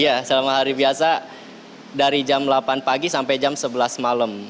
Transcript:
iya selama hari biasa dari jam delapan pagi sampai jam sebelas malam